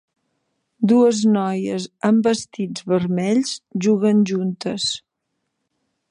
Dues noies amb vestits vermells juguen juntes.